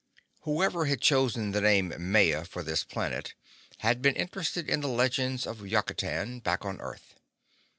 Whoever had chosen the name Maya for this planet had been interested in the legends of Yucatan, back on Earth.